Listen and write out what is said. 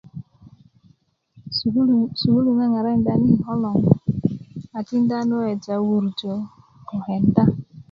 sukulu na ŋarakinda nan yi kiko loŋ a tinda nan weweja wurjö ko kenda